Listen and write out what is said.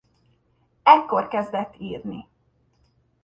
Ekkor kezdett írni.